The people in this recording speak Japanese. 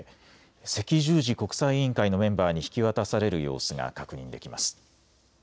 赤十字国際委員会のメンバーに引き渡される様子が確認できます。